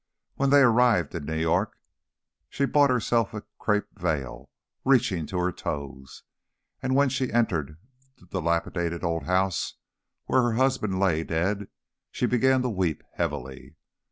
When they arrived in New York, she bought herself a crape veil reaching to her toes, and when she entered the dilapidated old house where her husband lay dead, she began to weep heavily.